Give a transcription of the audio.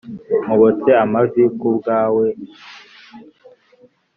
Nkobotse amavi kubwawe